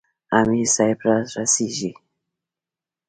امیر صاحب را رسیږي.